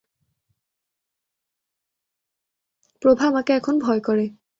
প্রভা আমাকে এখন ভয় করে।